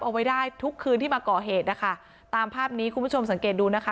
เอาไว้ได้ทุกคืนที่มาก่อเหตุนะคะตามภาพนี้คุณผู้ชมสังเกตดูนะคะ